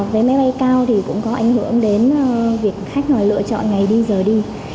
vé máy bay cao cũng có ảnh hưởng đến việc khách lựa chọn ngày đi giờ đi